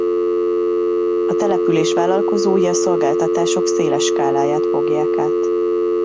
A település vállalkozói a szolgáltatások széles skáláját fogják át.